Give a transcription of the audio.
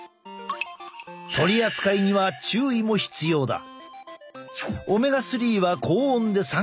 取り扱いには注意も必要だ。